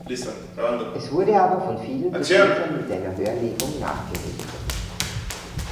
Es wurde aber von vielen Besitzern mit einer Höherlegung nachgerüstet.